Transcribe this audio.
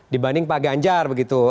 dibanding pak ganjar begitu